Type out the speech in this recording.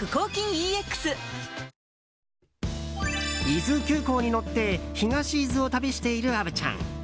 伊豆急行に乗って東伊豆を旅している虻ちゃん。